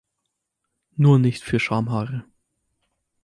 Nur nicht für Schamhaare.